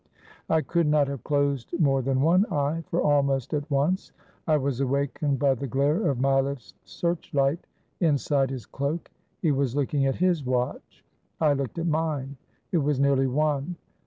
I could not have closed more than one eye, for almost at once, I was awakened by the glare of Mileff's search light, inside his cloak. He was looking at his watch. I looked at mine. It was nearly one.